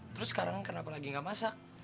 terus sekarang kenapa lagi nggak masak